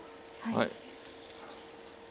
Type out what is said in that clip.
はい。